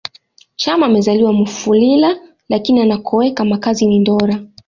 Chama amezaliwa Mufulira lakini anakoweka makazi ni Ndola